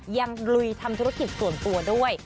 ลุยทำธุรกิจส่วนตัวด้วย